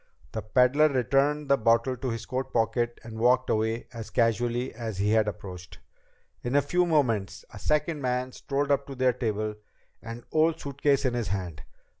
The peddler returned the bottle to his coat pocket and walked away as casually as he had approached. In a few moments a second man strolled up to their table, an old suitcase in his hand.